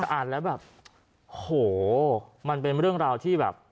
อ่านแล้วแบบโหมันเป็นเรื่องราวที่แบบ